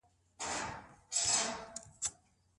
کرني پوهنځۍ سمدستي نه لغوه کیږي.